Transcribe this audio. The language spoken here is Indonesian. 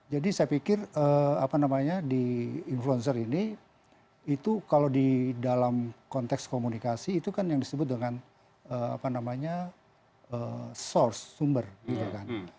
jadi saya pikir apa namanya di influencer ini itu kalau di dalam konteks komunikasi itu kan yang disebut dengan apa namanya source sumber gitu kan